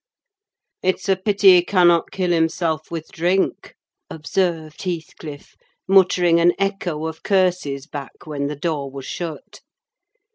"It's a pity he cannot kill himself with drink," observed Heathcliff, muttering an echo of curses back when the door was shut.